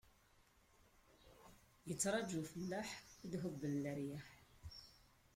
Ittṛaǧu ufellaḥ, ad d-hubben leryaḥ.